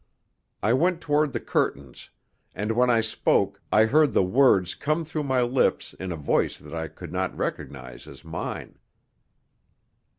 I went toward the curtains, and when I spoke I heard the words come through my lips in a voice that I could not recognize as mine.